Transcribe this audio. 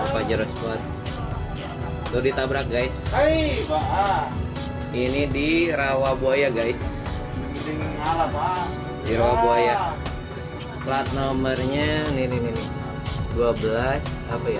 fajero sport itu ditabrak guys ini di rawaboya guys di rawaboya plat nomornya ini dua belas apa ya